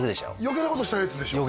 余計なことしたやつでしょ？